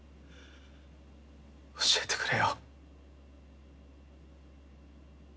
教えてくれよ。